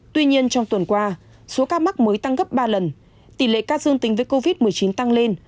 tuy nhiên trong tuần qua số ca mắc mới tăng gấp ba lần tỷ lệ ca dương tính với covid một mươi chín tăng lên